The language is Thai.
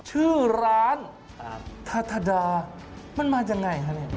ชื่อร้านทาทาดามันมาจากไหนครับ